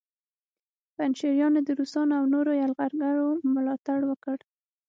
پنجشیریانو د روسانو او نورو یرغلګرو ملاتړ وکړ